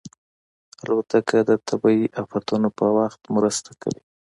الوتکه د طبیعي افتونو په وخت مرسته کوي.